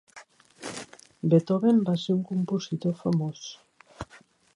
Beethoven va ser un compositor famós.